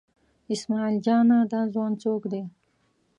اسمعیل جانه دا ځوان څوک دی؟